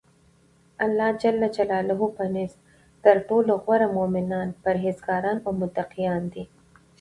الله ج په نزد ترټولو غوره مؤمنان پرهیزګاران او متقیان دی.